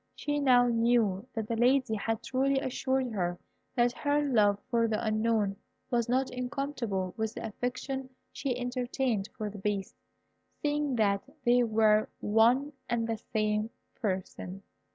She now knew that the Lady had truly assured her that her love for the Unknown was not incompatible with the affection she entertained for the Beast, seeing that they were one and the same person.